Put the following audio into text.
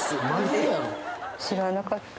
知らなかったね。